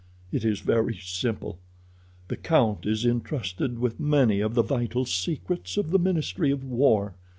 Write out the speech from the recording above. It is very simple. The count is intrusted with many of the vital secrets of the ministry of war.